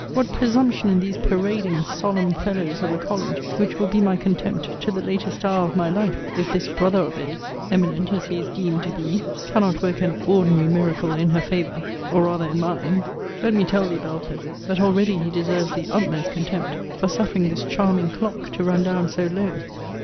What presumption in these parading solemn fellows of a college, which will be my contempt to the latest hour of my life, if this brother of it (eminent as he is deemed to be) cannot work an ordinary miracle in her favour, or rather in mine! Let me tell thee, Belford, that already he deserves the utmost contempt, for suffering this charming clock to run down so low.